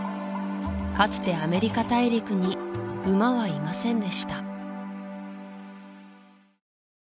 かつてアメリカ大陸に馬はいませんでした